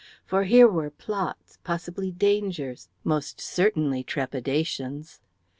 For here were plots, possibly dangers, most certainly trepidations.